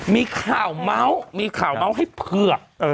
มีข่าวเมาส์มีข่าวเมาส์ให้เผือก